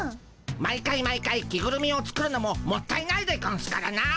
毎回毎回着ぐるみを作るのももったいないでゴンスからな。